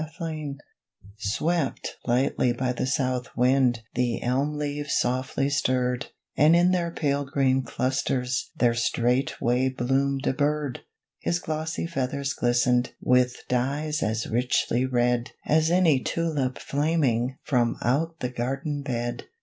THE RED BIRD Swept lightly by the south wind The elm leaves softly stirred, And in their pale green clusters There straightway bloomed a bird! His glossy feathers glistened With dyes as richly red As any tulip flaming From out the garden bed.